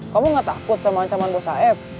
kamu gak takut sama ancaman bos af